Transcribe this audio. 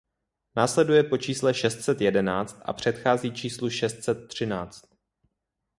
Následuje po čísle šest set jedenáct a předchází číslu šest set třináct.